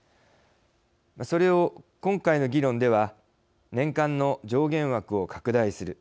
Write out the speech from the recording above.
それを今回の議論では年間の上限枠を拡大する。